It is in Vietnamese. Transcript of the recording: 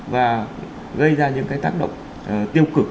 và gây ra những cái tác động tiêu cực